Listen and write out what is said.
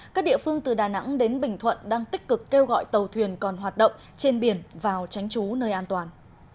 các địa phương từ đà nẵng đến bình thuận đang tích cực kêu gọi tàu thuyền còn hoạt động trên biển vào tránh trú nơi an toàn